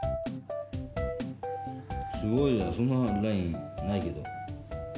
すごいそんなラインないけど。